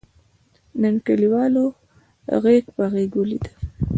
نن کلیوالو غېږ په غېږ ولیدل.